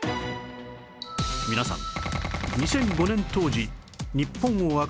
皆さん